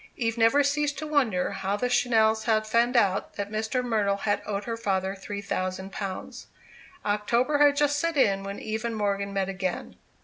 Eve never ceased to wonder how the Channells had found out that Mr. Myrtle had owed her father three thousand pounds. October had just set in when Eve and Morgan met again.